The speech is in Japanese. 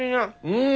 うん！